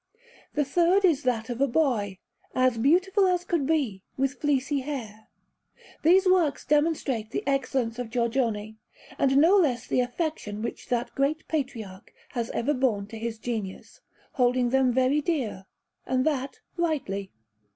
The third is that of a boy, as beautiful as could be, with fleecy hair. These works demonstrate the excellence of Giorgione, and no less the affection which that great Patriarch has ever borne to his genius, holding them very dear, and that rightly.